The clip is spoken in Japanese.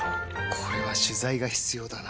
これは取材が必要だな。